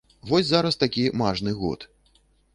Вось зараз такі мажны год.